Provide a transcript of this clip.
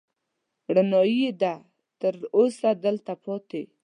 رڼايي يې ده، تر اوسه دلته پاتې